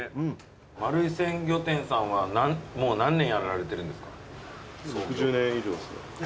まるい鮮魚店さんはもう何年やられてるんですか？